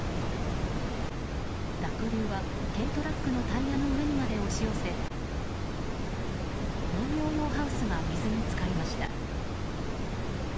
濁流は軽トラックのタイヤの上にまで押し寄せ農業用ハウスが水に浸かりました。